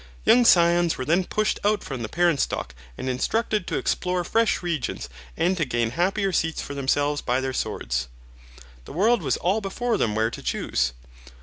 Young scions were then pushed out from the parent stock and instructed to explore fresh regions and to gain happier seats for themselves by their swords. 'The world was all before them where to choose.'